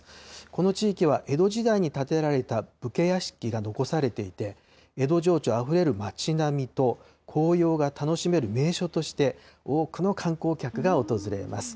この地域は江戸時代に建てられた武家屋敷が残されていて、江戸情緒あふれる町並みと、紅葉が楽しめる名所として、多くの観光客が訪れます。